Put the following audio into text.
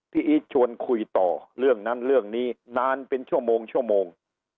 อีทชวนคุยต่อเรื่องนั้นเรื่องนี้นานเป็นชั่วโมงชั่วโมง